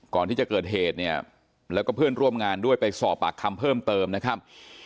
ก่อนที่จะเกิดเหตุเนี่ยแล้วก็เพื่อนร่วมงานด้วยไปสอบปากคำเพิ่มเติมนะครับ